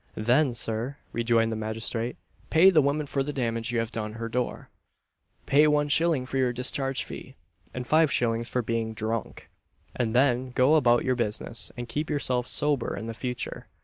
"Then, Sir," rejoined the magistrate, "pay the woman for the damage you have done her door pay one shilling for your discharge fee, and five shillings for being drunk; and then go about your business, and keep yourself sober in future."